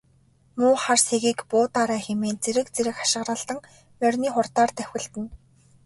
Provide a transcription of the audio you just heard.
Муу хар сэгийг буудаарай хэмээн зэрэг зэрэг хашхиралдан морины хурдаар давхилдана.